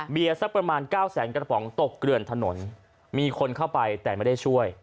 เบียร์สักประมาณ๙๐๐๐๐๐กระป๋องตกเกลือนถนนมีคนเข้าไปแต่ไม่ได้ช่วย